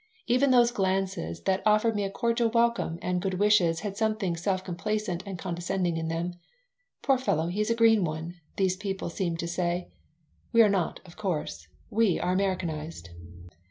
Even those glances that offered me a cordial welcome and good wishes had something self complacent and condescending in them. "Poor fellow! he is a green one," these people seemed to say. "We are not, of course. We are Americanized."